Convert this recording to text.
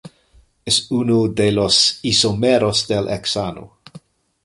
Es uno de los isómeros del hexano.